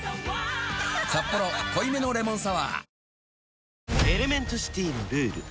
「サッポロ濃いめのレモンサワー」